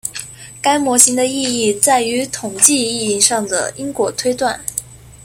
该模型的意义在于统计意义上的因果推断。